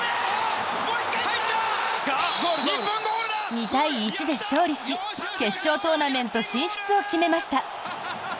２対１で勝利し決勝トーナメント進出を決めました！